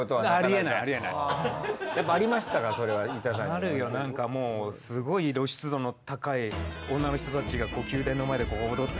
あるよなんかもうすごい露出度の高い女の人たちがこう宮殿の前でこう踊って。